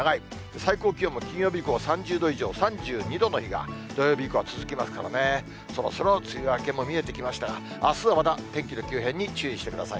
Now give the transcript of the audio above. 最高気温も金曜日以降は３０度以上、３２度の日が土曜日以降は続きますからね、そろそろ梅雨明けも見えてきましたが、あすはまだ天気の急変に注意してください。